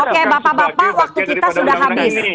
oke bapak bapak waktu kita sudah habis